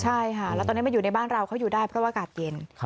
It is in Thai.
ใช่ค่ะแล้วตอนนี้มาอยู่ในบ้านเราเขาอยู่ได้เพราะว่าอากาศเย็น